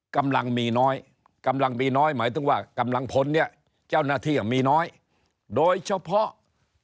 กำลังมีน้อยกำลังมีน้อยหมายถึงว่ากำลังพลเนี่ยเจ้าหน้าที่มีน้อยโดยเฉพาะ